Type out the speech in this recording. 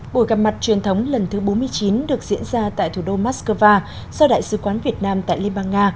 buổi gặp mặt truyền thống lần thứ bốn mươi chín được diễn ra tại thủ đô moscow do đại sứ quán việt nam tại liên bang nga